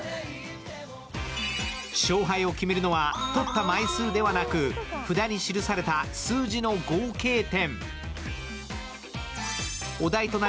勝敗を決めるのは取った枚数ではなく札に記された数字の合計点。